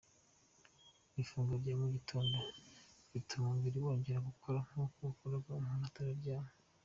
Ifunguro rya mu gitondo rituma umubiri wongera gukora nk’uko wakoraga umuntu atararyama.